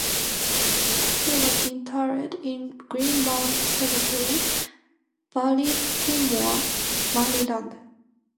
She was interred in Green Mount Cemetery, Baltimore, Maryland.